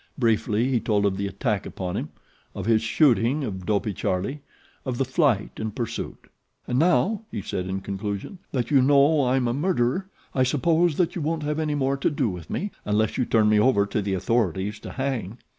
Briefly he told of the attack upon him, of his shooting of Dopey Charlie, of the flight and pursuit. "And now," he said in conclusion, "that you know I'm a murderer I suppose you won't have any more to do with me, unless you turn me over to the authorities to hang."